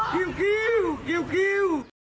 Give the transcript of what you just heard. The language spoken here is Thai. คิวคิวคิวคิว